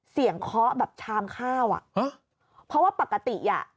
เสียงเคาะแบบชามข้าวเพราะว่าปกติ